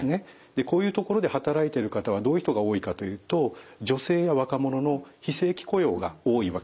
こういうところで働いてる方はどういう人が多いかというと女性や若者の非正規雇用が多いわけです。